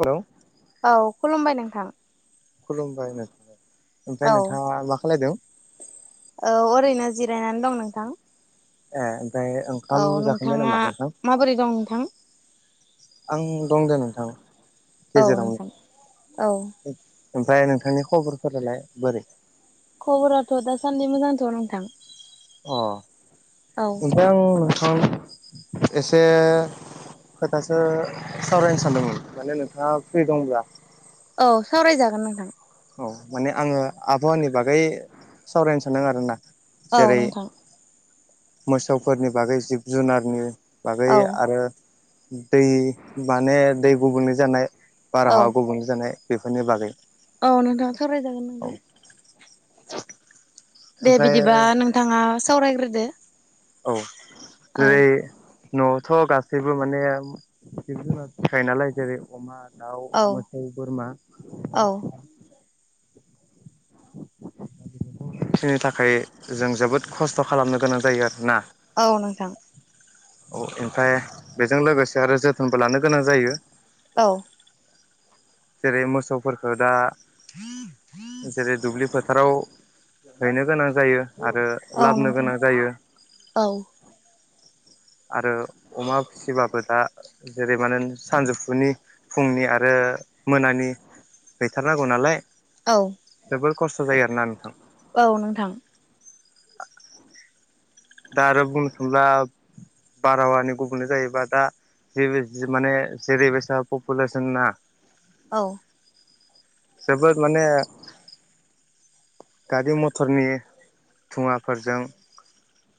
Hello औ खुलुमबाय नोंथां खुलुमबाय नोंथांनो। ओमफाय औ नोंथाङा मा खालायदों? औ ओरैनो जिरायनानै दं नोंथां। ए ओमफ्राय औ ओंखाम जाखांबाय नोंथाङा नामा नोंथां माबोरै दं नोंथां? आं दं दे नोंथां औ नोंथां औ गेजेरावनो। ओमफ्राय नोंथांनि खबरफोरालाय बोरै? खबराथ' दासान्दि मोजांथ' नोंथां। अ औ। ओमफ्राय आं नोंथां एसे खोथासो सावरायनो सानदोंमोन माने नोंथाङा फ्रि दंब्ला। औ सावरायजागोन नोंथां। औ माने आङो आबहावानि बागै सावरायनो सानदों आरोना। औ जेरै नोंथां मोसौफोरनि बागै जिब जुनारनि बागै औ आरो दै माने दै गुबुंले जानाय औ बारहावा गुबुंले जानाय बेफोरनि बागै। औ नोंथां सावराय जागोन औ नोंथां। दे ओमफ्राय बिदिबा नोंथाङा सावरायग्रोदो। औ। औ जेरै न'आवथ' गासैबो माने जिब जुनार फिखायो नालाय। जेरै अमा दाउ औ मोसौ बोरमा औ। फिनो थाखाय जों जोबोद खस्थ' खालामनो गोनां जायो आरोना। औ नोंथां। अ एनफाय बेजों लोगोसे आरो जोथोनबो लानो गोनां जायो। औ। जेरै मोसौफोरखो दा जेरै दुब्लि फोथाराव हैनो गोनां जायो आरो औ लाबनो नोंथां गोनां जायो। औ आरो अमा फिसिबाबो दा जेरै बा नों सानजौफुनि फुंनि आरो मोनानि हैथारनांगौ नालाय औ जोबोर खस्थ' जायो आरोना नोंथां। औ नोंथां। दा आरो बुंनो थांब्ला बारहावानि गुबुंले जायोबा दा जि बि जि माने जेरैबायसा पपुलेस'ना औ जोबोद माने गारि मथरनि धुङाफोरजों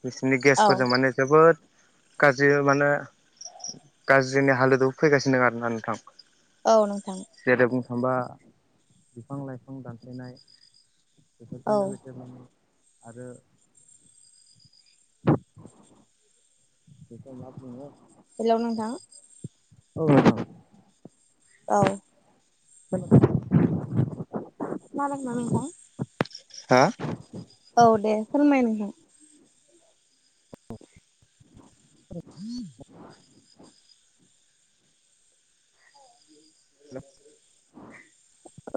बिसिनि औ गेसफोरजों माने जोबोद गाज्रिबो मानो गाज्रिनि हालोदाव फैगासिनो दों आरोना नोंथां। औ नोंथां। जेरै बुंनो थांबा बिफां लाइफां दानफानाय बेफोरजों औ लोगोसे माने आरो बेखौ मा बुङो हेलौ नोंथां। औ। गाव [unintelligible] खोनादोंना नोंथां? हा औ दे फोरमाय नोंथां। [inaudible] [unintelligible]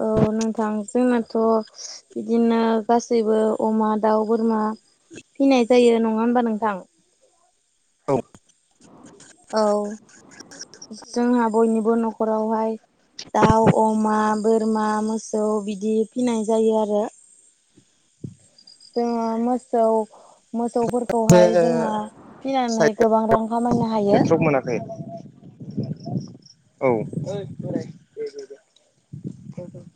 औ नोंथां जोंनाथ' बिदिनो गासैबो अमा, दाउ, बोरमा फिनाय जायो नङा होनबा नोंथां? औ औ जोंहा बयनिबो न' खरावहाय दाउ, अमा, बोरमा, मोसौ बिदि फिनाय जायो आरो जोङो मोसौ एसे मोसौफोरखौहाय जोंहा फिनानै साइद गोबां रां खामायनो हायो नेटवर्क मोनाखै औ [unintelligible]